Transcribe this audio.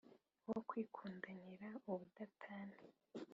wokwikumdanira ubudatana